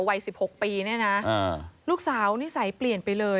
วัย๑๖ปีเนี่ยนะลูกสาวนิสัยเปลี่ยนไปเลย